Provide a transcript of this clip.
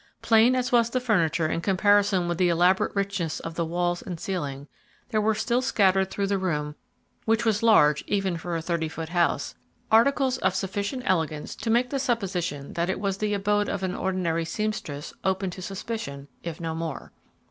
Plain as was the furniture in comparison with the elaborate richness of the walls and ceiling, there were still scattered through the room, which was large even for a thirty foot house, articles of sufficient elegance to make the supposition that it was the abode of an ordinary seamstress open to suspicion, if no more.